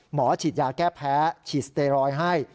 หมอฉีดยาแก้แพ้ฉีดสเตรอยให้